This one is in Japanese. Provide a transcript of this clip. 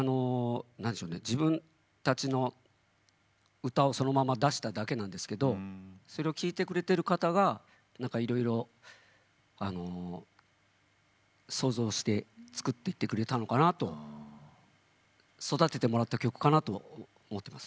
自分たちの歌をそのまま出しただけなんですけどそれを聴いてくれている方がいろいろ想像して作ってくれたのかなと育ててもらった曲かなと思っています。